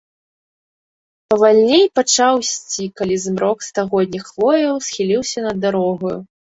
Павальней пачаў ісці, калі змрок стагодніх хвояў схіліўся над дарогаю.